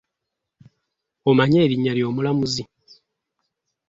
Omanyi erinnya ly'omulamuzi?